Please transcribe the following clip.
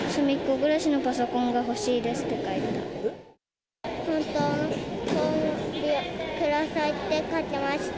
ぐらしのパソコンが欲しいですって書いた。